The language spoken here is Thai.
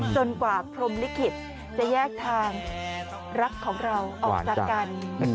กว่าพรมลิขิตจะแยกทางรักของเราออกจากกัน